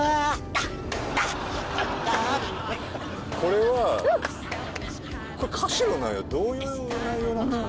ダッダーこれはこれ歌詞の内容どういう内容なんすか？